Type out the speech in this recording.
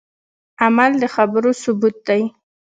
عمل د خبرو ثبوت دی